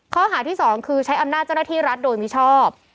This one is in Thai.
ข้อหาที่๒คือใช้อำนาจเจ้าหน้าที่รัฐโดยมิชอบ